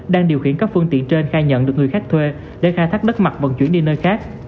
đang điều khiển các phương tiện trên khai nhận được người khác thuê để khai thác đất mặt vận chuyển đi nơi khác